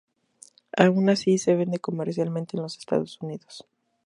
Aun así se vende comercialmente en los Estados Unidos.